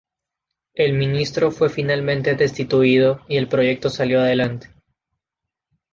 El ministro fue finalmente destituido y el proyecto salió adelante.